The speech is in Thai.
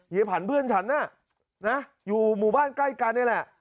ผันเพื่อนฉันน่ะนะอยู่หมู่บ้านใกล้กันนี่แหละ